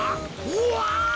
うわ！